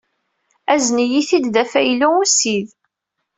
Azen-iyi-t-id d afaylu ussid.